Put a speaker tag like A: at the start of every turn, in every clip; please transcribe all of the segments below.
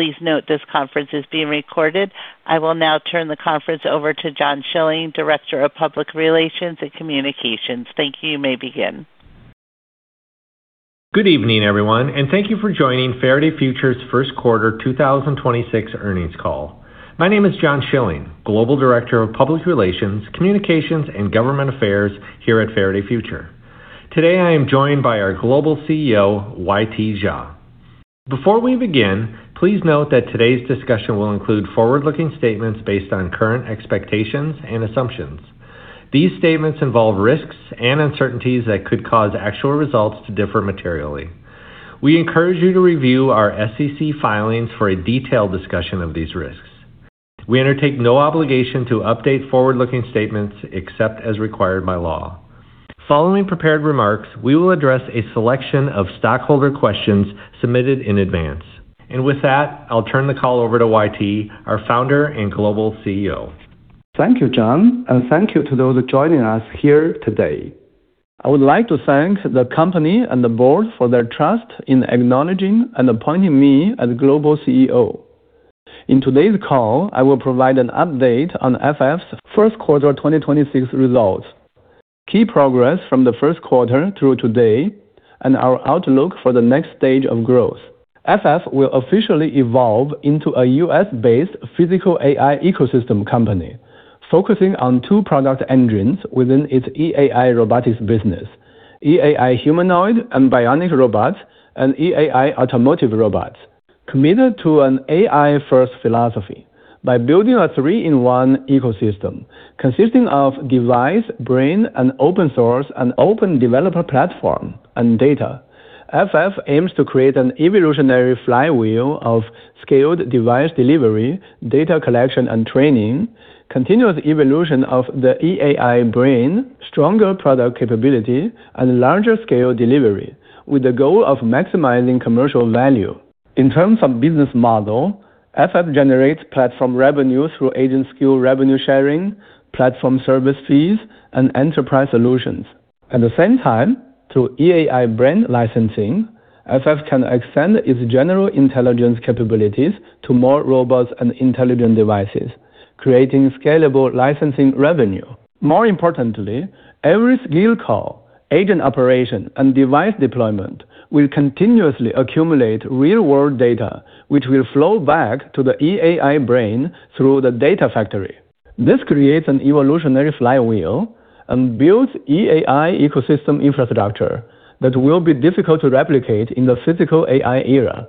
A: Please note this conference is being recorded. I will now turn the conference over to John Schilling, Director of Public Relations and Communications. Thank you. You may begin.
B: Good evening, everyone, and thank you for joining Faraday Future's first quarter 2026 earnings call. My name is John Schilling, Global Director of Public Relations, Communications, and Government Affairs here at Faraday Future. Today I am joined by our Global CEO, YT Jia. Before we begin, please note that today's discussion will include forward-looking statements based on current expectations and assumptions. These statements involve risks and uncertainties that could cause actual results to differ materially. We encourage you to review our SEC filings for a detailed discussion of these risks. We undertake no obligation to update forward-looking statements except as required by law. Following prepared remarks, we will address a selection of stockholder questions submitted in advance. With that, I'll turn the call over to YT, our founder and Global CEO.
C: Thank you, John, and thank you to those joining us here today. I would like to thank the company and the board for their trust in acknowledging and appointing me as Global CEO. In today's call, I will provide an update on FF's first quarter 2026 results, key progress from the first quarter through today, and our outlook for the next stage of growth. FF will officially evolve into a U.S.-based physical AI ecosystem company, focusing on two product engines within its EAI robotics business, EAI humanoid and bionic robots, and EAI automotive robots. Committed to an AI-first philosophy by building a three-in-one ecosystem consisting of device, brain, and open source, and open developer platform, and data. FF aims to create an evolutionary flywheel of scaled device delivery, data collection and training, continuous evolution of the EAI Brain, stronger product capability, and larger scale delivery with the goal of maximizing commercial value. In terms of business model, FF generates platform revenue through agent skill revenue sharing, platform service fees, and enterprise solutions. At the same time, through EAI Brain licensing, FF can extend its general intelligence capabilities to more robots and intelligent devices, creating scalable licensing revenue. More importantly, every skill call, agent operation, and device deployment will continuously accumulate real-world data, which will flow back to the EAI Brain through the data factory. This creates an evolutionary flywheel and builds EAI ecosystem infrastructure that will be difficult to replicate in the Physical AI era.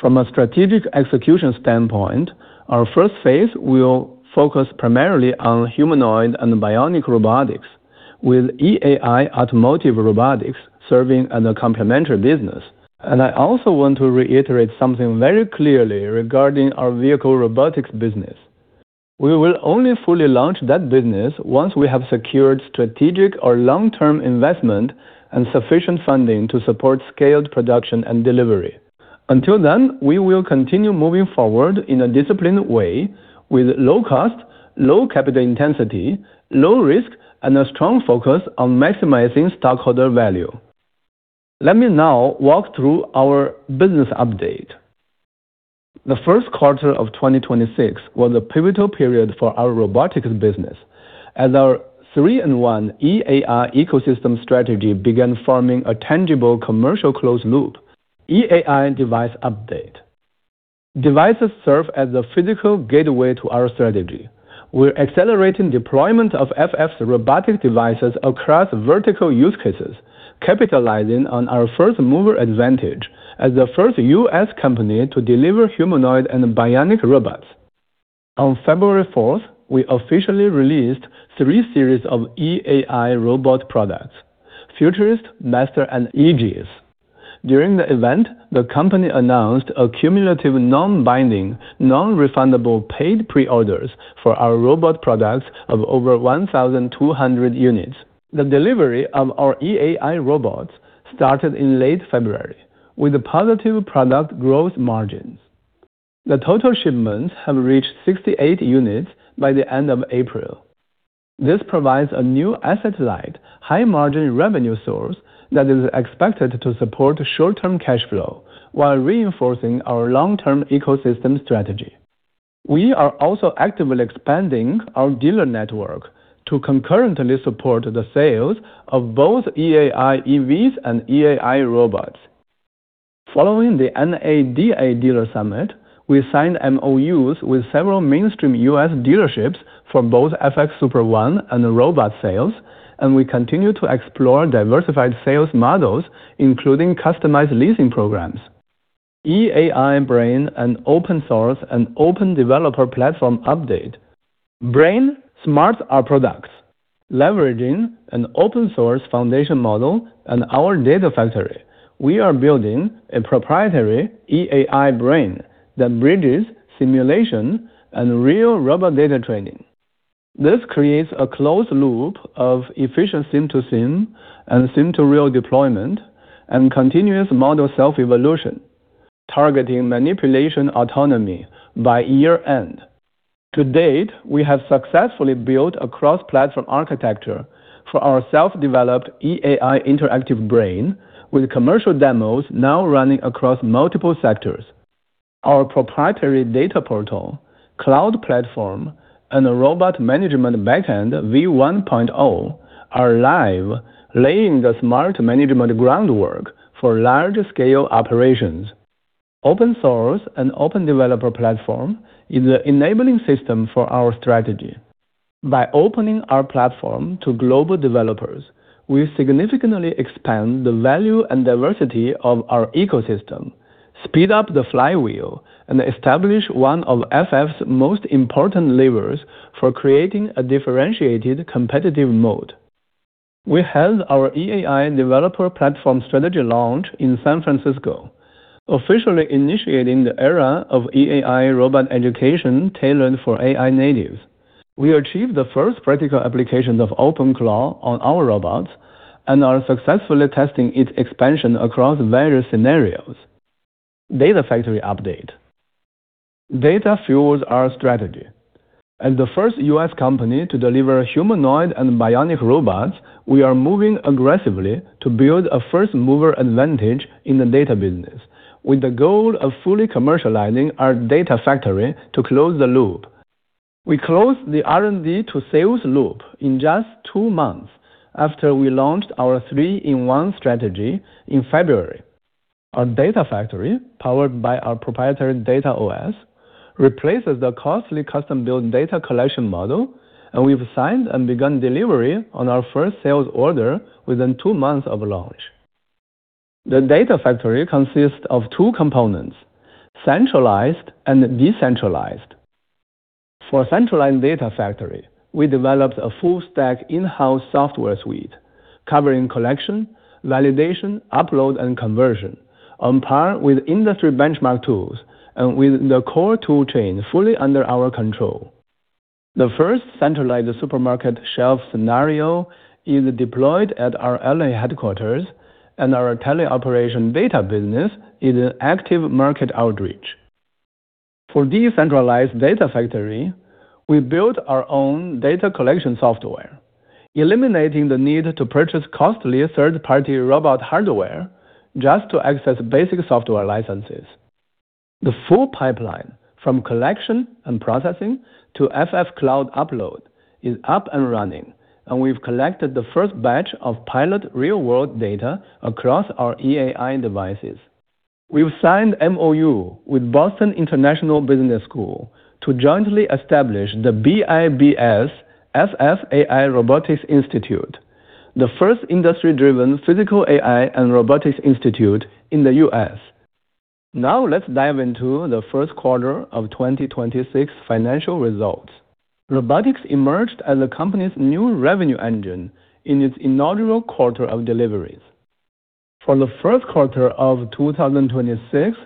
C: From a strategic execution standpoint, our first phase will focus primarily on humanoid and bionic robotics, with EAI automotive robotics serving as a complementary business. I also want to reiterate something very clearly regarding our vehicle robotics business. We will only fully launch that business once we have secured strategic or long-term investment and sufficient funding to support scaled production and delivery. Until then, we will continue moving forward in a disciplined way with low cost, low capital intensity, low risk, and a strong focus on maximizing stockholder value. Let me now walk through our business update. The first quarter of 2026 was a pivotal period for our robotics business as our Three-in-One EAI ecosystem strategy began forming a tangible commercial closed loop. EAI Device update. devices serve as a physical gateway to our strategy. We're accelerating deployment of FF's robotic devices across vertical use cases, capitalizing on our first-mover advantage as the first U.S. company to deliver humanoid and bionic robots. On February 4, we officially released three series of EAI robot products: Futurist, Master, and Aegis. During the event, the company announced a cumulative non-binding, non-refundable paid pre-orders for our robot products of over 1,200 units. The delivery of our EAI robots started in late February with positive product gross margins. The total shipments have reached 68 units by the end of April. This provides a new asset-light, high-margin revenue source that is expected to support short-term cash flow while reinforcing our long-term ecosystem strategy. We are also actively expanding our dealer network to concurrently support the sales of both EAI EVs and EAI robots. Following the NADA Dealer Summit, we signed MOUs with several mainstream U.S. dealerships for both FX Super One and robot sales, and we continue to explore diversified sales models, including customized leasing programs. EAI Brain and open source and open developer platform update. Brain smarts our products. Leveraging an open-source foundation model and our Data Factory, we are building a proprietary EAI Brain that bridges simulation and real robot data training. This creates a closed loop of efficient sim-to-sim and sim-to-real deployment and continuous model self-evolution. Targeting manipulation autonomy by year-end. To date, we have successfully built a cross-platform architecture for our self-developed EAI Interactive Brain with commercial demos now running across multiple sectors. Our proprietary Data Portal, cloud platform, and the robot management backend V1.0 are live, laying the smart management groundwork for large scale operations. Open source and open developer platform is the enabling system for our strategy. By opening our platform to global developers, we significantly expand the value and diversity of our ecosystem, speed up the flywheel, and establish one of FF's most important levers for creating a differentiated competitive moat. We held our EAI Developer Platform Strategy Launch in San Francisco, officially initiating the era of EAI robot education tailored for AI natives. We achieved the first practical application of OpenClaw on our robots and are successfully testing its expansion across various scenarios. Data Factory update. Data fuels our strategy. As the first U.S. company to deliver humanoid and bionic robots, we are moving aggressively to build a first mover advantage in the data business with the goal of fully commercializing our Data Factory to close the loop. We closed the R&D-to-sales loop in just two months after we launched our Three-in-One strategy in February. Our data factory, powered by our proprietary Data OS, replaces the costly custom-built data collection model, and we've signed and begun delivery on our first sales order within two months of launch. The data factory consists of two components: centralized and decentralized. For centralized data factory, we developed a full stack in-house software suite covering collection, validation, upload, and conversion on par with industry benchmark tools and with the core tool chain fully under our control. The first centralized supermarket shelf scenario is deployed at our L.A. headquarters, and our teleoperation data business is in active market outreach. For decentralized data factory, we built our own data collection software, eliminating the need to purchase costly third-party robot hardware just to access basic software licenses. The full pipeline from collection and processing to FF Cloud upload is up and running, and we've collected the first batch of pilot real-world data across our EAI devices. We've signed MOU with Boston International Business School to jointly establish the BIBS-FF AI Robotics Institute, the first industry-driven physical AI and robotics institute in the U.S. Let's dive into the first quarter of 2026 financial results. Robotics emerged as the company's new revenue engine in its inaugural quarter of deliveries. For the first quarter of 2026,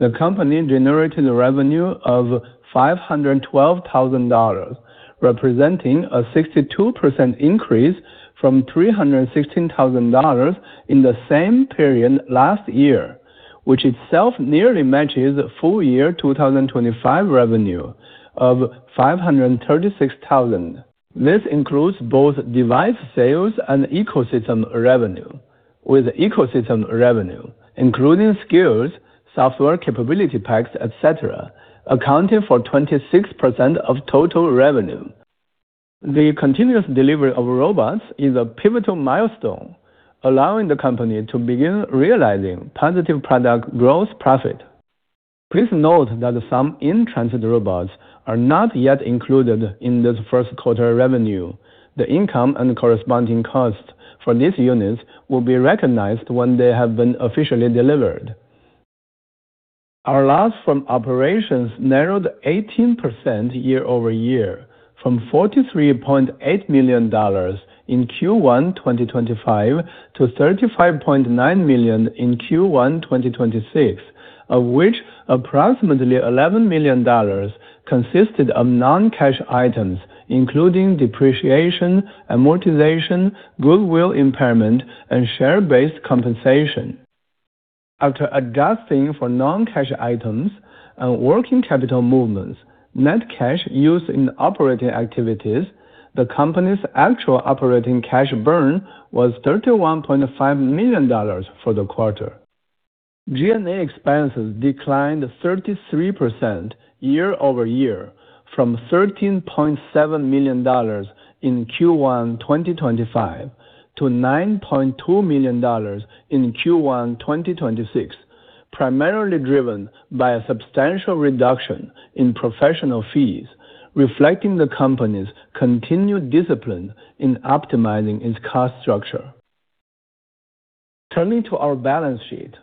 C: the company generated revenue of $512,000, representing a 62% increase from $316,000 in the same period last year, which itself nearly matches full year 2025 revenue of $536,000. This includes both device sales and ecosystem revenue, with ecosystem revenue, including skills, software capability packs, et cetera, accounting for 26% of total revenue. The continuous delivery of robots is a pivotal milestone, allowing the company to begin realizing positive product gross profit. Please note that some in-transit robots are not yet included in this first quarter revenue. The income and corresponding cost for these units will be recognized when they have been officially delivered. Our loss from operations narrowed 18% year-over-year from $43.8 million in Q1 2025 to $35.9 million in Q1 2026, of which approximately $11 million consisted of non-cash items, including depreciation, amortization, goodwill impairment, and share-based compensation. After adjusting for non-cash items and working capital movements, net cash used in operating activities, the company's actual operating cash burn was $31.5 million for the quarter. G&A expenses declined 33% year-over-year from $13.7 million in Q1 2025 to $9.2 million in Q1 2026, primarily driven by a substantial reduction in professional fees, reflecting the company's continued discipline in optimizing its cost structure. Turning to our balance sheet.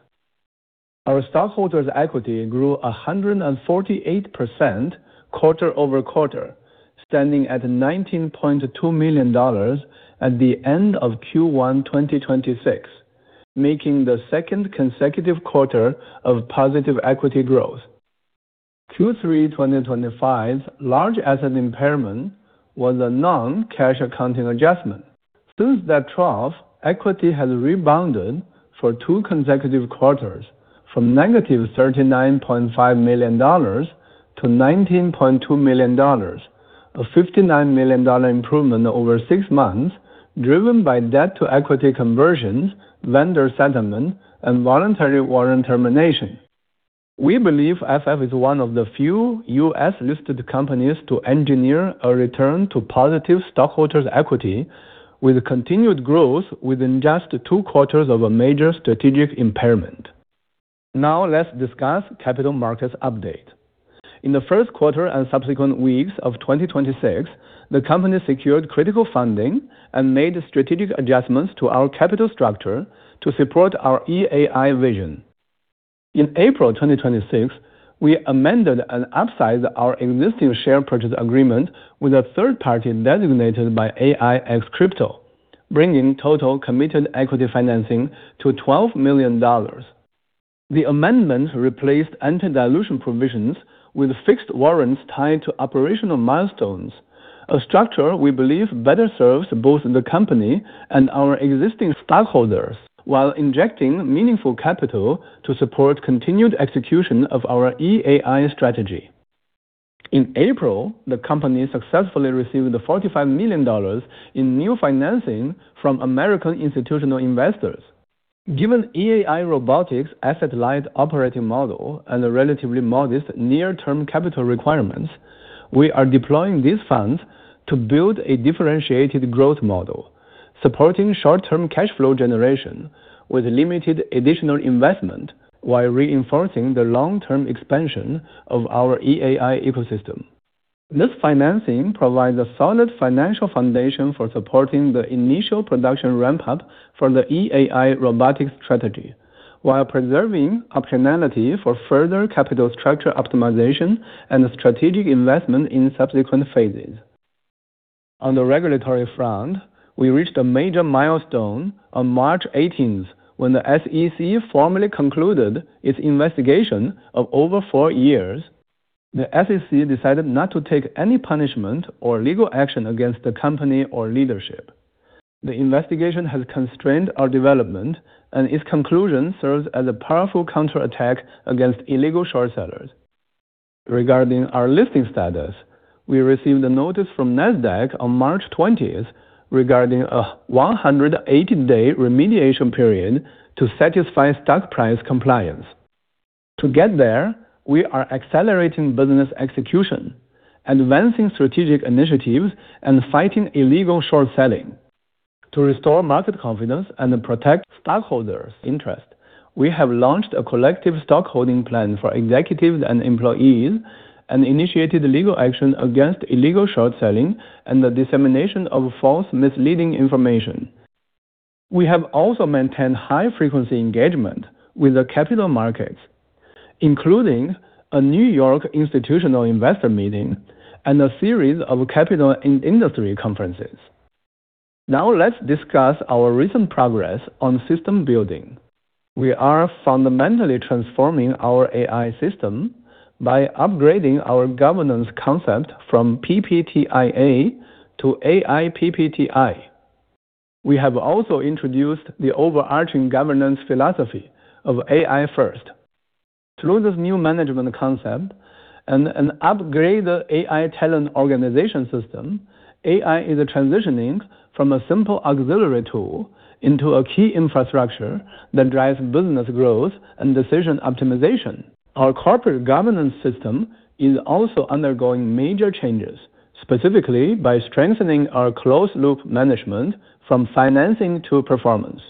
C: Our stockholders' equity grew 148% quarter-over-quarter, standing at $19.2 million at the end of Q1 2026, marking the second consecutive quarter of positive equity growth. Q3 2025's large asset impairment was a non-cash accounting adjustment. Since that trough, equity has rebounded for two consecutive quarters from -$39.5 million to $19.2 million, a $59 million improvement over six months, driven by debt to equity conversions, vendor settlement, and voluntary warrant termination. We believe FF is one of the few U.S.-listed companies to engineer a return to positive stockholders' equity with continued growth within just two quarters of a major strategic impairment. Let's discuss capital markets update. In the first quarter and subsequent weeks of 2026, the company secured critical funding and made strategic adjustments to our capital structure to support our EAI vision. In April 2026, we amended and upsized our existing share purchase agreement with a third party designated by AIxCrypto, bringing total committed equity financing to $12 million. The amendment replaced anti-dilution provisions with fixed warrants tied to operational milestones, a structure we believe better serves both the company and our existing stockholders while injecting meaningful capital to support continued execution of our EAI strategy. In April, the company successfully received $45 million in new financing from American Institutional Investors. Given EAI Robotics' asset-light operating model and relatively modest near-term capital requirements, we are deploying these funds to build a differentiated growth model, supporting short-term cash flow generation with limited additional investment while reinforcing the long-term expansion of our EAI ecosystem. This financing provides a solid financial foundation for supporting the initial production ramp-up for the EAI robotics strategy while preserving optionality for further capital structure optimization and strategic investment in subsequent phases. On the regulatory front, we reached a major milestone on March 18th when the SEC formally concluded its investigation of over four years. The SEC decided not to take any punishment or legal action against the company or leadership. The investigation has constrained our development, and its conclusion serves as a powerful counterattack against illegal short sellers. Regarding our listing status, we received a notice from NASDAQ on March 20th regarding a 180-day remediation period to satisfy stock price compliance. To get there, we are accelerating business execution, advancing strategic initiatives, and fighting illegal short selling. To restore market confidence and protect stockholders' interest, we have launched a collective stockholding plan for executives and employees and initiated legal action against illegal short selling and the dissemination of false misleading information. We have also maintained high-frequency engagement with the capital markets, including a New York institutional investor meeting and a series of capital and industry conferences. Now let's discuss our recent progress on system building. We are fundamentally transforming our AI system by upgrading our governance concept from PPTIA to AI-PPTI. We have also introduced the overarching governance philosophy of AI first. Through this new management concept and an upgraded AI talent organization system, AI is transitioning from a simple auxiliary tool into a key infrastructure that drives business growth and decision optimization. Our corporate governance system is also undergoing major changes, specifically by strengthening our closed-loop management from financing to performance.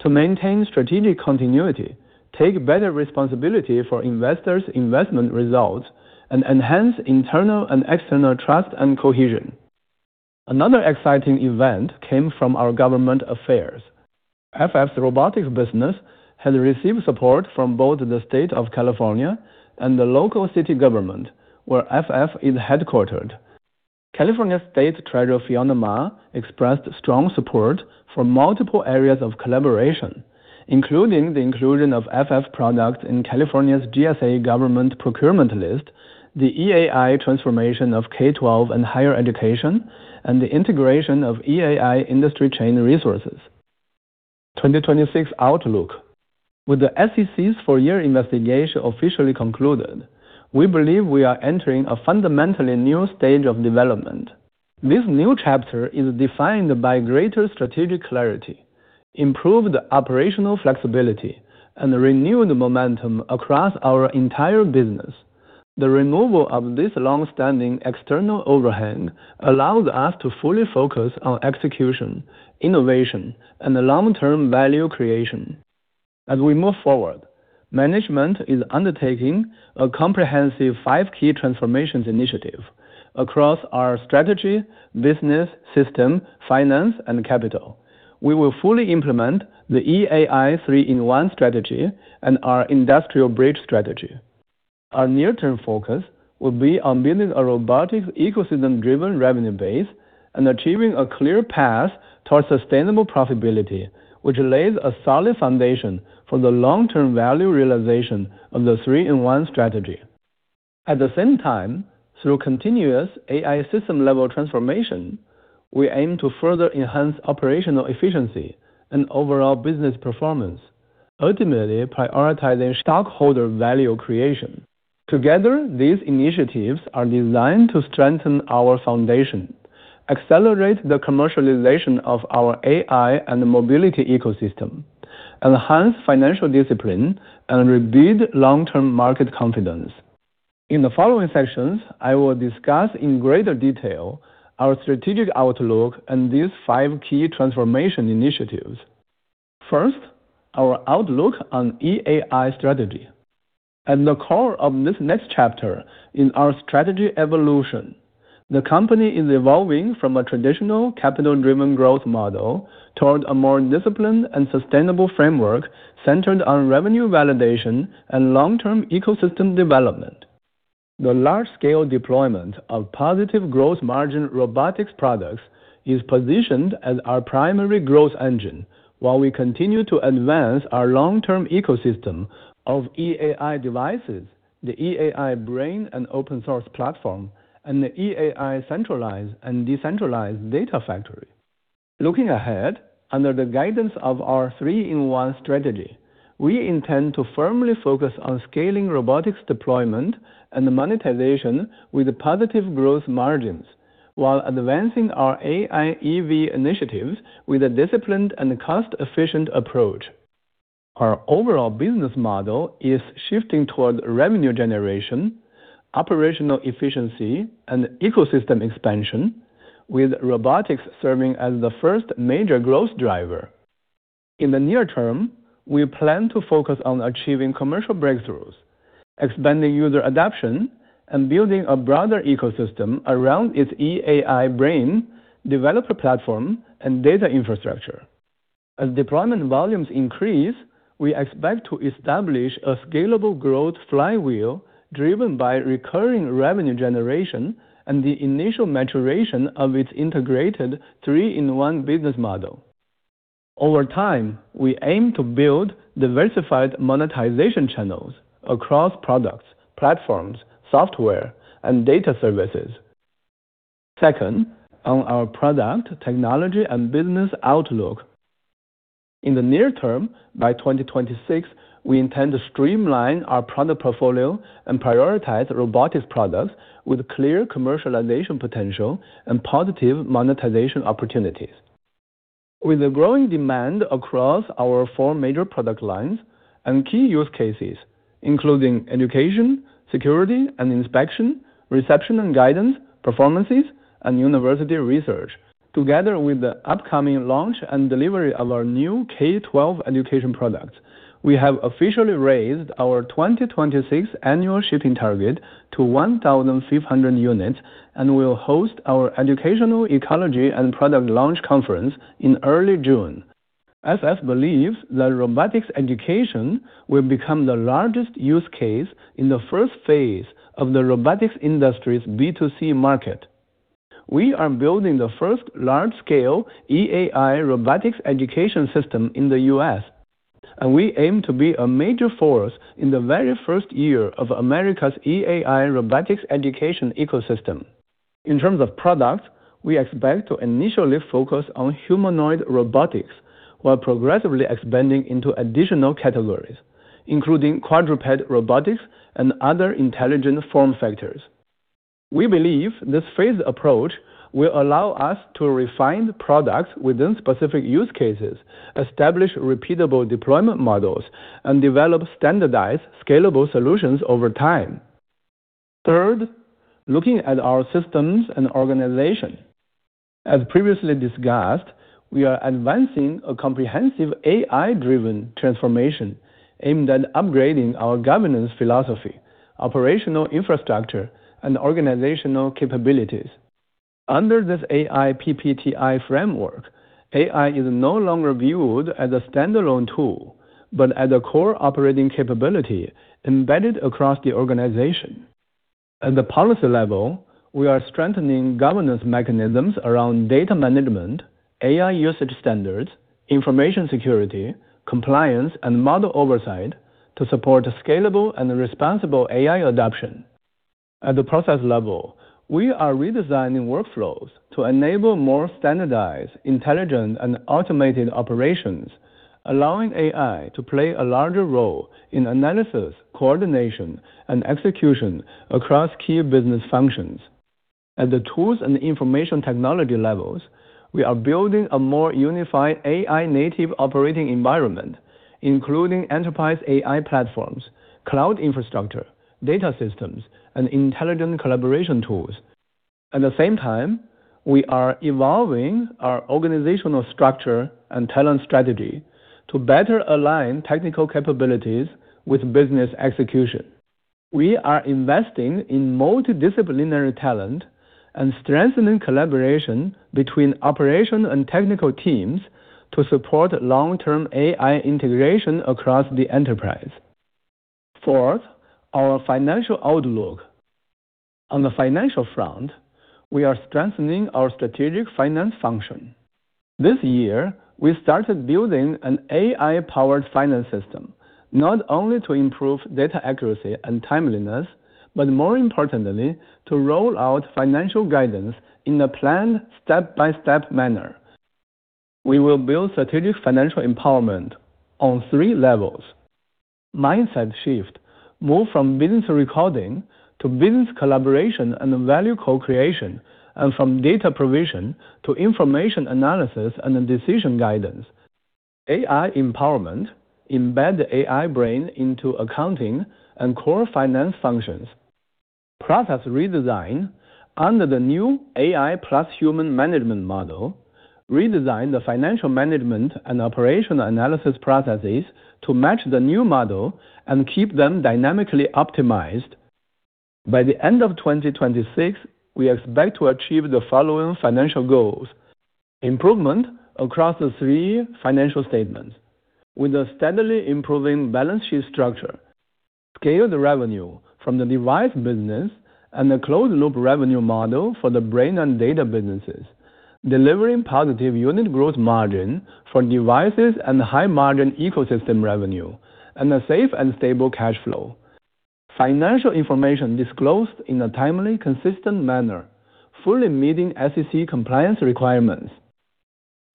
C: To maintain strategic continuity, take better responsibility for investors' investment results, and enhance internal and external trust and cohesion. Another exciting event came from our government affairs. FF's robotics business has received support from both the State of California and the local city government, where FF is headquartered. California State Treasurer Fiona Ma expressed strong support for multiple areas of collaboration, including the inclusion of FF products in California's GSA government procurement list, the EAI transformation of K12 and higher education, and the integration of EAI industry chain resources. 2026 Outlook. With the SEC's four-year investigation officially concluded, we believe we are entering a fundamentally new stage of development. This new chapter is defined by greater strategic clarity, improved operational flexibility, and renewed momentum across our entire business. The removal of this long-standing external overhang allows us to fully focus on execution, innovation, and long-term value creation. As we move forward, management is undertaking a comprehensive Five Key Transformations initiative across our strategy, business, system, finance, and capital. We will fully implement the EAI Three-in-One strategy and our Industrial Bridge Strategy. Our near-term focus will be on building a robotics ecosystem-driven revenue base and achieving a clear path towards sustainable profitability, which lays a solid foundation for the long-term value realization of the Three-in-One strategy. At the same time, through continuous AI system-level transformation, we aim to further enhance operational efficiency and overall business performance, ultimately prioritizing stockholder value creation. Together, these initiatives are designed to strengthen our foundation, accelerate the commercialization of our AI and mobility ecosystem, enhance financial discipline, and rebuild long-term market confidence. In the following sections, I will discuss in greater detail our strategic outlook and these five key transformation initiatives. First, our outlook on EAI strategy. At the core of this next chapter in our strategy evolution, the company is evolving from a traditional capital-driven growth model toward a more disciplined and sustainable framework centered on revenue validation and long-term ecosystem development. The large-scale deployment of positive gross margin robotics products is positioned as our primary growth engine while we continue to advance our long-term ecosystem of EAI devices, the EAI Brain and open source platform, and the EAI centralized and decentralized data factory. Looking ahead, under the guidance of our Three-in-One strategy, we intend to firmly focus on scaling robotics deployment and monetization with positive gross margins while advancing our AIEV initiatives with a disciplined and cost-efficient approach. Our overall business model is shifting toward revenue generation, operational efficiency, and ecosystem expansion, with robotics serving as the first major growth driver. In the near-term, we plan to focus on achieving commercial breakthroughs, expanding user adoption, and building a broader ecosystem around its EAI Brain, developer platform, and data infrastructure. As deployment volumes increase, we expect to establish a scalable growth flywheel driven by recurring revenue generation and the initial maturation of its integrated three-in-one business model. Over time, we aim to build diversified monetization channels across products, platforms, software, and data services. Second, on our product, technology, and business outlook. In the near term, by 2026, we intend to streamline our product portfolio and prioritize robotics products with clear commercialization potential and positive monetization opportunities. With the growing demand across our four major product lines and key use cases, including education, security and inspection, reception and guidance, performances, and university research, together with the upcoming launch and delivery of our new K12 education products, we have officially raised our 2026 annual shipping target to 1,500 units and will host our educational ecology and product launch conference in early June. FF believes that robotics education will become the largest use case in the first phase of the robotics industry's B2C market. We are building the first large-scale EAI robotics education system in the U.S., and we aim to be a major force in the very first year of America's EAI robotics education ecosystem. In terms of products, we expect to initially focus on humanoid robotics while progressively expanding into additional categories, including quadruped robotics and other intelligent form factors. We believe this phased approach will allow us to refine products within specific use cases, establish repeatable deployment models, and develop standardized, scalable solutions over time. Third, looking at our systems and organization. As previously discussed, we are advancing a comprehensive AI-driven transformation aimed at upgrading our governance philosophy, operational infrastructure, and organizational capabilities. Under this AI-PPTI framework, AI is no longer viewed as a standalone tool, but as a core operating capability embedded across the organization. At the policy level, we are strengthening governance mechanisms around data management, AI usage standards, information security, compliance, and model oversight to support scalable and responsible AI adoption. At the process level, we are redesigning workflows to enable more standardized, intelligent, and automated operations, allowing AI to play a larger role in analysis, coordination, and execution across key business functions. At the tools and information technology levels, we are building a more unified AI-native operating environment, including enterprise AI platforms, cloud infrastructure, data systems, and intelligent collaboration tools. At the same time, we are evolving our organizational structure and talent strategy to better align technical capabilities with business execution. We are investing in multidisciplinary talent and strengthening collaboration between operation and technical teams to support long-term AI integration across the enterprise. Fourth, our financial outlook. On the financial front, we are strengthening our strategic finance function. This year, we started building an AI-powered finance system, not only to improve data accuracy and timeliness, but more importantly, to roll out financial guidance in a planned step-by-step manner. We will build strategic financial empowerment on three levels. Mindset shift. Move from business recording to business collaboration and value co-creation, and from data provision to information analysis and decision guidance. AI empowerment. Embed the AI brain into accounting and core finance functions. Process redesign. Under the new AI plus human management model, redesign the financial management and operational analysis processes to match the new model and keep them dynamically optimized. By the end of 2026, we expect to achieve the following financial goals. Improvement across the three financial statements with a steadily improving balance sheet structure, scaled revenue from the device business, and a closed-loop revenue model for the brain and data businesses, delivering positive unit gross margin for devices and high-margin ecosystem revenue, and a safe and stable cash flow. Financial information disclosed in a timely, consistent manner, fully meeting SEC compliance requirements.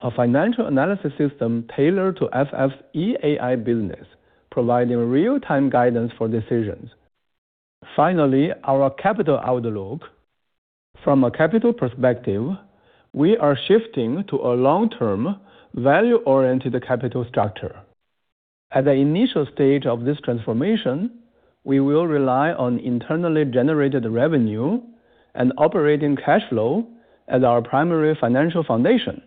C: A financial analysis system tailored to FF's EAI business, providing real-time guidance for decisions. Finally, our capital outlook. From a capital perspective, we are shifting to a long-term, value-oriented capital structure. At the initial stage of this transformation, we will rely on internally generated revenue and operating cash flow as our primary financial foundation.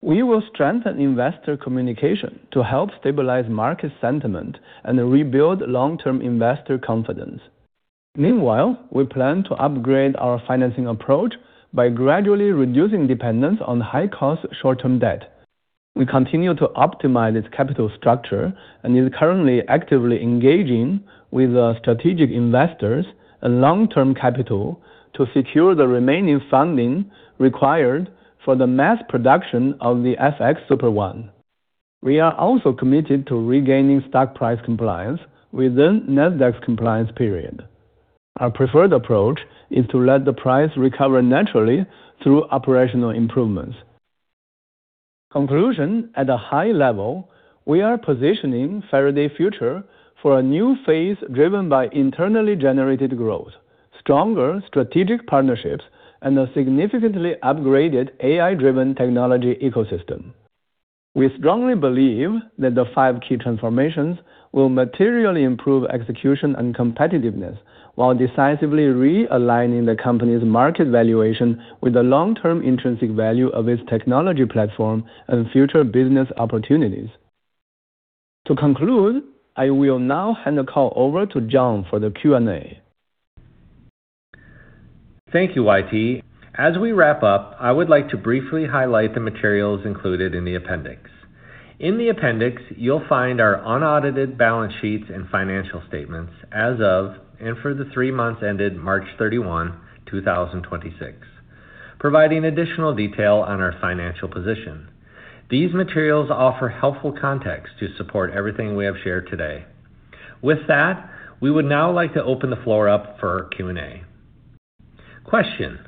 C: We will strengthen investor communication to help stabilize market sentiment and rebuild long-term investor confidence. Meanwhile, we plan to upgrade our financing approach by gradually reducing dependence on high-cost short-term debt. We continue to optimize its capital structure and is currently actively engaging with strategic investors and long-term capital to secure the remaining funding required for the mass production of the FX Super One. We are also committed to regaining stock price compliance within Nasdaq's compliance period. Our preferred approach is to let the price recover naturally through operational improvements. Conclusion, at a high level, we are positioning Faraday Future for a new phase driven by internally generated growth, stronger strategic partnerships, and a significantly upgraded AI-driven technology ecosystem. We strongly believe that the Five Key Transformations will materially improve execution and competitiveness while decisively realigning the company's market valuation with the long-term intrinsic value of its technology platform and future business opportunities. To conclude, I will now hand the call over to John for the Q&A.
B: Thank you, YT. As we wrap up, I would like to briefly highlight the materials included in the appendix. In the appendix, you'll find our unaudited balance sheets and financial statements as of and for the three months ended March 31, 2026, providing additional detail on our financial position. These materials offer helpful context to support everything we have shared today. With that, we would now like to open the floor up for Q&A. Question: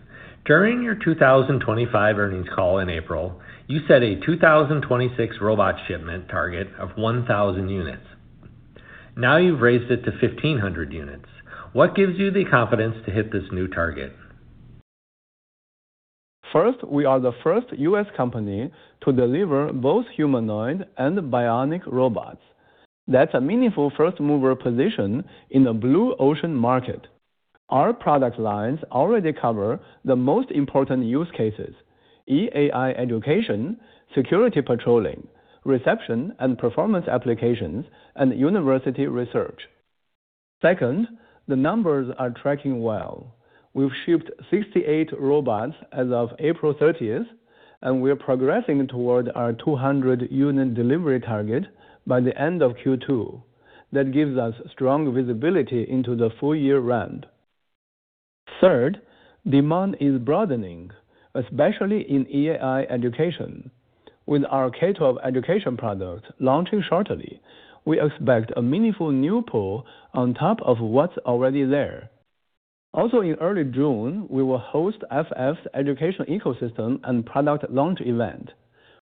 B: During your 2025 earnings call in April, you set a 2026 robot shipment target of 1,000 units. Now you've raised it to 1,500 units. What gives you the confidence to hit this new target?
C: First, we are the first U.S. company to deliver both humanoid and bionic robots. That's a meaningful first-mover position in a blue ocean market. Our product lines already cover the most important use cases: EAI education, security patrolling, reception and performance applications, and university research. Second, the numbers are tracking well. We've shipped 68 robots as of April 30th, and we're progressing toward our 200 unit delivery target by the end of Q2. That gives us strong visibility into the full-year ramp. Third, demand is broadening, especially in EAI education. With our K-12 education product launching shortly, we expect a meaningful new pull on top of what's already there. Also, in early June, we will host FF's education ecosystem and product launch event.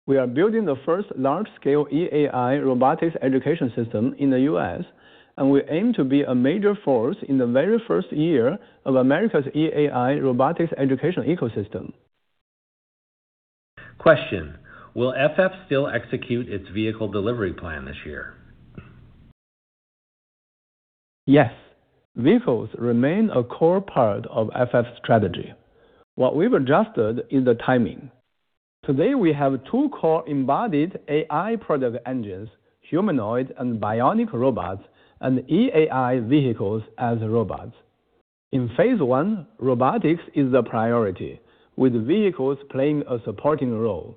C: We are building the first large-scale EAI robotics education system in the U.S., and we aim to be a major force in the very first year of America's EAI robotics education ecosystem.
B: Question: Will FF still execute its vehicle delivery plan this year?
C: Yes. Vehicles remain a core part of FF's strategy. What we've adjusted is the timing. Today, we have two core embodied AI product engines, humanoid and bionic robots, and EAI vehicles as robots. In phase one, robotics is the priority, with vehicles playing a supporting role.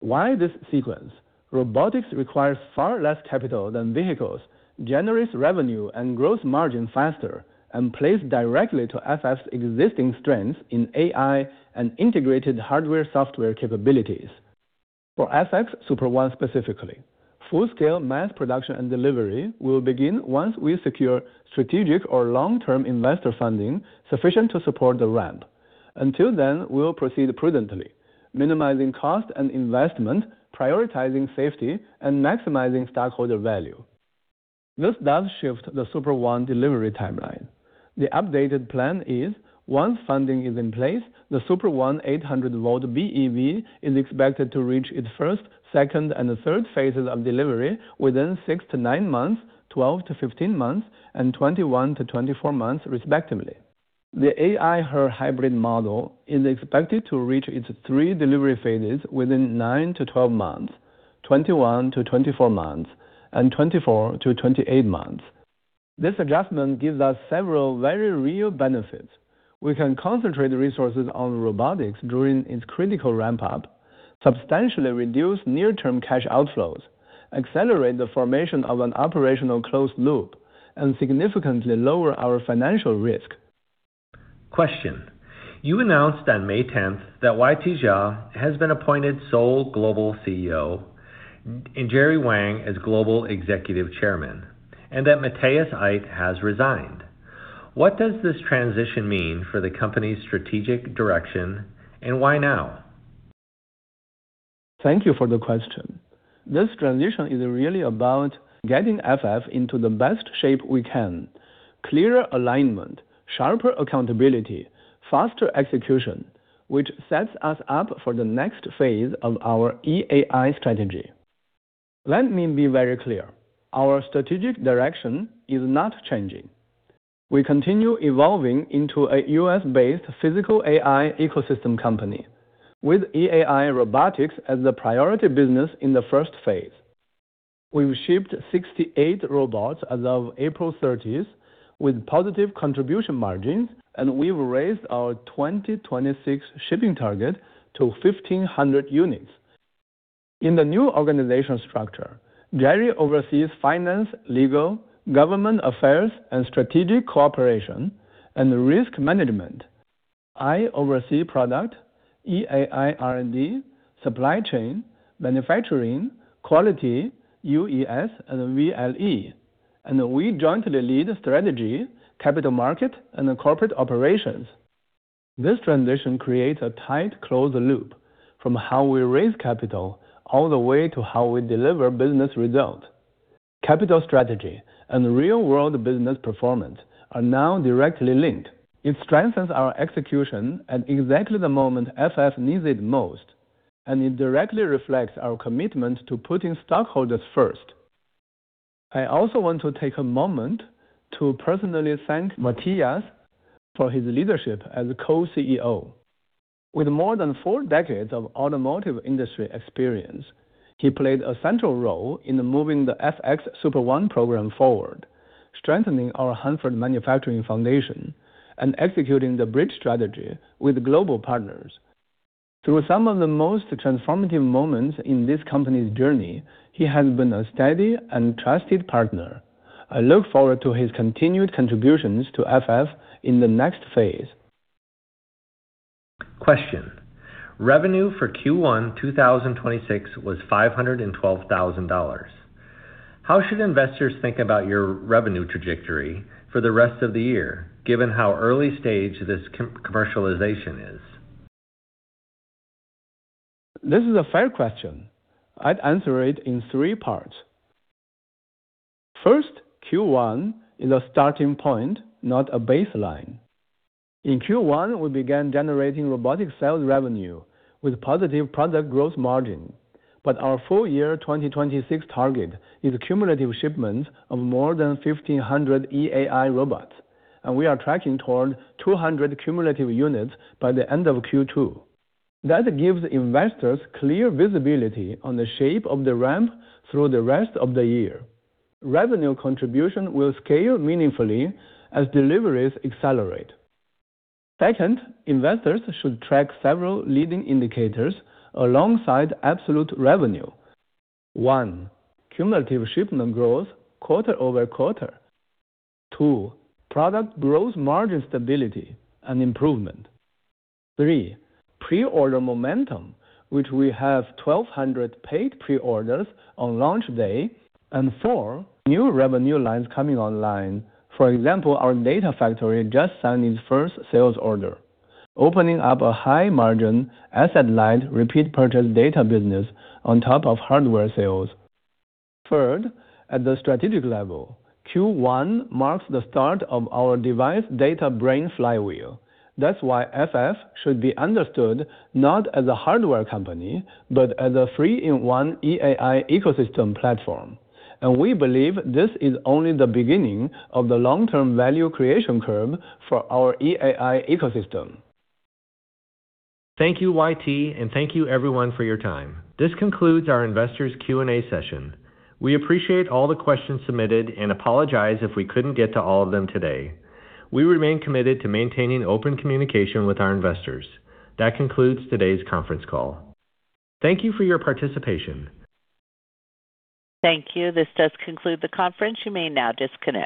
C: Why this sequence? Robotics requires far less capital than vehicles, generates revenue and gross margin faster, and plays directly to FF's existing strengths in AI and integrated hardware software capabilities. For FX Super One specifically, full-scale mass production and delivery will begin once we secure strategic or long-term investor funding sufficient to support the ramp. Until then, we will proceed prudently, minimizing cost and investment, prioritizing safety, and maximizing stockholder value. This does shift the Super One delivery timeline. The updated plan is once funding is in place, the Super One 800V BEV is expected to reach its first, second, and the third phases of delivery within six to nine months, 12-15 months, and 21-24 months, respectively. The Future AI Hybrid Extended-Range model is expected to reach its three delivery phases within nine to 12 months, 21-24 months, and 24-28 months. This adjustment gives us several very real benefits. We can concentrate resources on robotics during its critical ramp up, substantially reduce near-term cash outflows, accelerate the formation of an operational closed loop, and significantly lower our financial risk.
B: Question. You announced on May 10th that YT Jia has been appointed sole Global CEO, and Jerry Wang as Global Executive Chairman, and that Matthias Aydt has resigned. What does this transition mean for the company's strategic direction, and why now?
C: Thank you for the question. This transition is really about getting FF into the best shape we can. Clear alignment, sharper accountability, faster execution, which sets us up for the next phase of our EAI strategy. Let me be very clear. Our strategic direction is not changing. We continue evolving into a US-based physical AI ecosystem company with EAI robotics as the priority business in the first phase. We've shipped 68 robots as of April 30th with positive contribution margins. We've raised our 2026 shipping target to 1,500 units. In the new organization structure, Jerry oversees finance, legal, government affairs, and strategic cooperation, and risk management. I oversee product, EAI R&D, supply chain, manufacturing, quality, UES, and VLE. We jointly lead strategy, capital market, and the corporate operations. This transition creates a tight closed loop from how we raise capital all the way to how we deliver business results. Capital strategy and real-world business performance are now directly linked. It strengthens our execution at exactly the moment FF needs it most, and it directly reflects our commitment to putting stockholders first. I also want to take a moment to personally thank Matthias for his leadership as a co-CEO. With more than four decades of automotive industry experience, he played a central role in moving the FX Super One program forward, strengthening our Hanford manufacturing foundation, and executing the Bridge Strategy with global partners. Through some of the most transformative moments in this company's journey, he has been a steady and trusted partner. I look forward to his continued contributions to FF in the next phase.
B: Question. Revenue for Q1 2026 was $512,000. How should investors think about your revenue trajectory for the rest of the year, given how early stage this commercialization is?
C: This is a fair question. I would answer it in three parts. First, Q1 is a starting point, not a baseline. In Q1, we began generating robotic sales revenue with positive product gross margin. Our full year 2026 target is cumulative shipments of more than 1,500 EAI robots, and we are tracking toward 200 cumulative units by the end of Q2. That gives investors clear visibility on the shape of the ramp through the rest of the year. Revenue contribution will scale meaningfully as deliveries accelerate. Second, investors should track several leading indicators alongside absolute revenue. One. Cumulative shipment growth quarter over quarter. Two. Product gross margin stability and improvement. Three. Pre-order momentum, which we have 1,200 pad pre-orders on launch day. Four. New revenue lines coming online. For example, our data factory just signed its first sales order, opening up a high margin asset light repeat purchase data business on top of hardware sales. Third, at the strategic level, Q1 marks the start of our device data brain flywheel. That's why FF should be understood not as a hardware company, but as a three-in-one EAI ecosystem platform. We believe this is only the beginning of the long-term value creation curve for our EAI ecosystem.
B: Thank you, YT, and thank you everyone for your time. This concludes our investors Q&A session. We appreciate all the questions submitted and apologize if we couldn't get to all of them today. We remain committed to maintaining open communication with our investors. That concludes today's conference call. Thank you for your participation.
A: Thank you. This does conclude the conference. You may now disconnect.